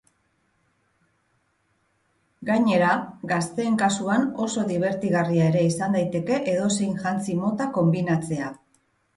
Gainera, gazteen kasuan oso dibertigarria ere izan daiteke edozein jantzi mota konbinatzea.